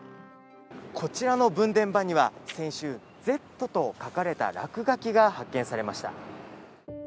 こちらの分電盤には先週、「Ｚ」と書かれた落書きが発見されました。